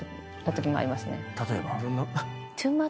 例えば？